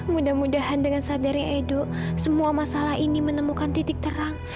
mudah mudahan dengan sadarnya edo semua masalah ini menemukan titik terang